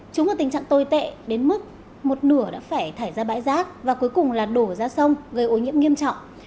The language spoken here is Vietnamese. chúng ở tình trạng tồi tệ đến mức một nửa đã phải thải ra bãi rác và cuối cùng là đổ ra sông gây ô nhiễm nghiêm trọng